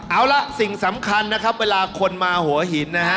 เอาล่ะสิ่งสำคัญนะครับเวลาคนมาหัวหินนะฮะ